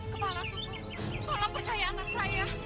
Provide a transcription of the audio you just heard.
kepala suku tolong percaya anak saya